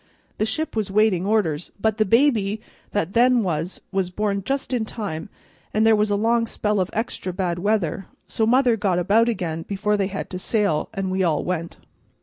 The ship was waiting orders, but the baby that then was, was born just in time, and there was a long spell of extra bad weather, so mother got about again before they had to sail, an' we all went.